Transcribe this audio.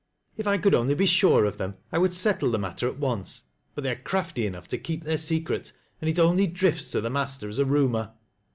If I could only be sure of them I would settle the matter at once, but they are crafty enough to keep their secret, and it only drifts to the master as a rumcr."